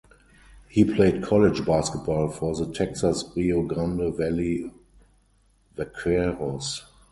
He played college basketball for the Texas–Rio Grande Valley Vaqueros.